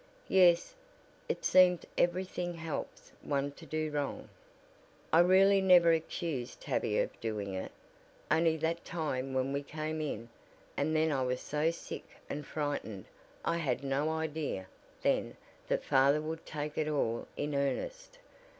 "Yes. It seems every thing helps one to do wrong. I really never accused Tavia of doing it, only that time when we came in, and then I was so sick and frightened, I had no idea, then, that father would take it all in earnest.